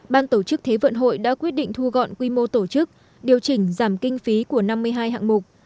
ban tổ chức thế vận hội đã quyết định thu gọn quy mô tổ chức điều chỉnh giảm kinh phí của năm mươi hai hạng mục